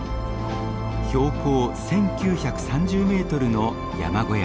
標高１，９３０メートルの山小屋。